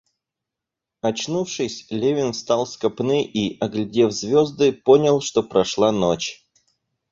Очнувшись, Левин встал с копны и, оглядев звезды, понял, что прошла ночь.